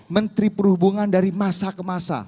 menteri perhubungan dari masa ke masa